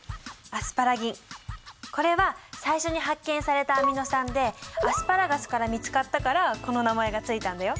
これは最初に発見されたアミノ酸でアスパラガスから見つかったからこの名前が付いたんだよ。